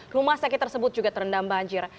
rumah sakit tersebut juga terendam banjir